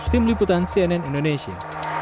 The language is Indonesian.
tim liputan cnn indonesia